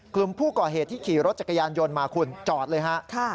กลุ่มผู้ก่อเหตุที่ขี่รถจักรยานยนต์มาคุณจอดเลยฮะ